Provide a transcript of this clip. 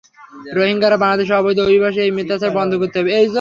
রোহিঙ্গারা বাংলাদেশের অবৈধ অভিবাসী, এই মিথ্যাচার বন্ধ করতে হবে।